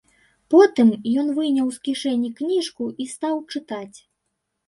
Потым ён выняў з кішэні кніжку і стаў чытаць.